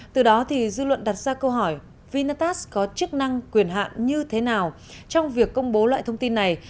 từ đó dư luận đặt ra câu hỏi vinatast có chức năng quyền hạn như thế nào trong việc công bố loại thông tin này